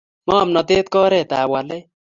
ngomnatet ko oret ap walet